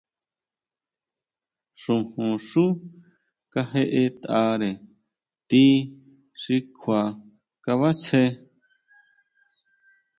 Xojonxú kajeʼetʼare ti xi kjua kabasjé.